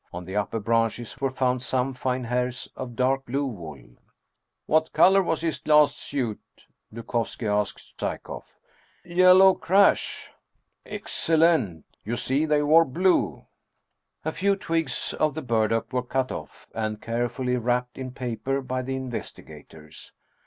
On the upper branches were found some fine hairs of dark blue wool. " What color was his last suit? " Dukovski asked Psye koff. 161 Russian Mystery Stories "Yellow crash.'' " Excellent ! You see they wore blue !" A few twigs of the burdock were cut off, and care fully wrapped in paper by the investigators.